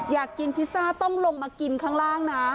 อยากกินพิซซ่าต้องลงมากินข้างล่างนะ